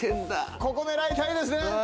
ここ狙いたいですね